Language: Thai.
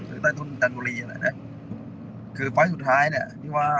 คือใต้ต้นกรุงตามโณรีเนี่ยแหละค่ะคือไฟล์ทสุดท้ายเนี่ย